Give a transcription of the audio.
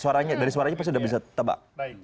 suaranya dari suaranya pasti sudah bisa tebak